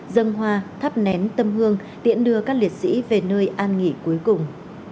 dân hoa thắp nén tâm hương tiễn đưa các liệt sĩ về nơi an nghỉ cuối cùng